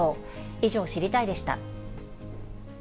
以上、知りたいッ！でした。